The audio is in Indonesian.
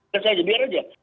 biar saja biar saja